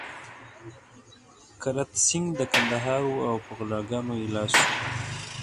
کرت سېنګ د کندهار وو او په غلاګانو يې لاس و.